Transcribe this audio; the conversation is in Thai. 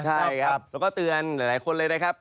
ใช่ครับแล้วก็เตือนหลายคนเลยนะครับ